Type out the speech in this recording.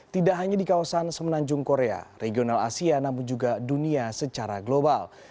tidak hanya di kawasan semenanjung korea regional asia namun juga dunia secara global